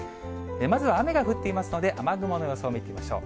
まず、雨が降っていますので、雨雲の予想を見てみましょう。